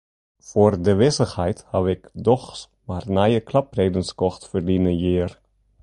Foar de wissichheid haw ik dochs mar nije klapredens kocht ferline jier.